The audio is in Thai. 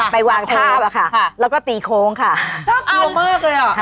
ไปวางทาบอะค่ะค่ะแล้วก็ตีโค้งค่ะอ้าวเกลียวมากเลยอ่ะค่ะ